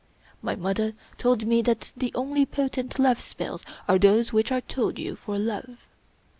" My mother told me that the only potent love spells are those which are told you for love.